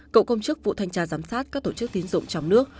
cậu công chức vụ thanh tra giám sát các tổ chức tiến dụng trong nước